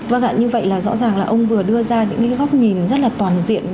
vâng ạ như vậy là rõ ràng là ông vừa đưa ra những cái góc nhìn rất là toàn diện